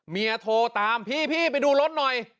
เมียโทรตามพี่ไปดูรถหน่อย